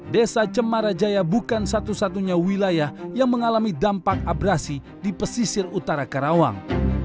desa cemarajaya bukan satu satunya wilayah yang mengalami dampak abrasi di pesisir utara karawang